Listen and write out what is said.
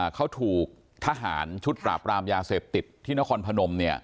เขาถูกทหารชุดปราบรามยาเสพติดที่นครพนม